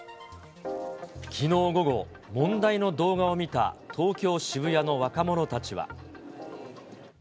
きのう午後、問題の動画を見た東京・渋谷の若者たちは。